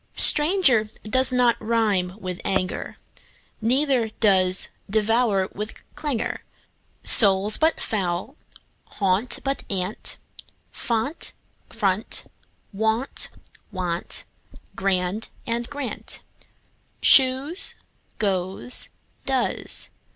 Stranger does not rime with anger, Neither does devour with clangour. Soul, but foul and gaunt, but aunt; Font, front, wont; want, grand, and, grant, Shoes, goes, does.